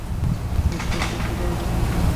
প্রস্তাব তো পূজার জন্য এসেছে।